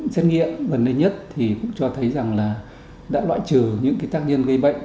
xét nghiệm vần này nhất thì cũng cho thấy rằng là đã loại trừ những tác nhân gây bệnh